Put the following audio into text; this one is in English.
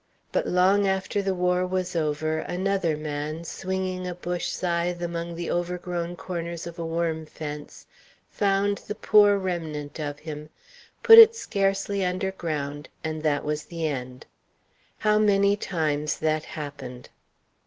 But long after the war was over, another man, swinging a bush scythe among the overgrown corners of a worm fence, found the poor remnant of him, put it scarcely underground, and that was the end. How many times that happened!